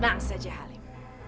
tenang saja halim